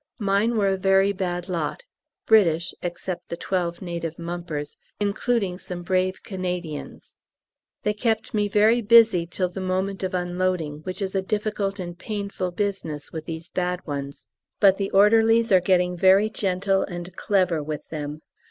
Mine were a very bad lot British (except the twelve native mumpers), including some brave Canadians. They kept me very busy till the moment of unloading, which is a difficult and painful business with these bad ones; but the orderlies are getting very gentle and clever with them.